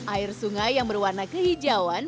air sungai yang berwarna kehijauan